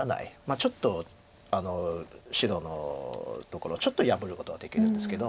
ちょっと白のところちょっと破ることはできるんですけど。